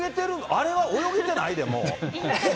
あれは泳げてないで、もう。